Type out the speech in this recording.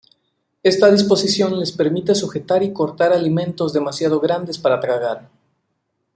Esta disposición les permite sujetar y cortar alimentos demasiado grandes para tragar.